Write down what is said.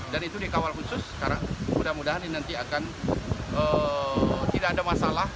dan itu dikawal khusus karena mudah mudahan ini nanti akan tidak ada masalah